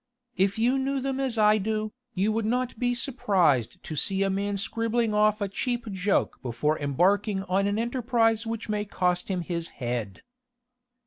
If you knew them as I do, you would not be surprised to see a man scribbling off a cheap joke before embarking on an enterprise which may cost him his head."